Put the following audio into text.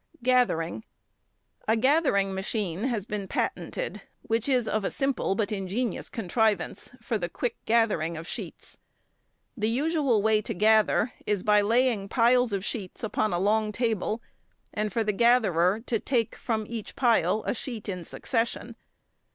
Gathering.—A gathering machine has been patented which is of a simple but ingenious contrivance for the quick gathering of sheets. The usual way to gather, is by laying piles of sheets upon a long table, and for the gatherer to take from each pile a sheet in succession.